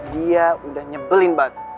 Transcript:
dia udah nyebelin banget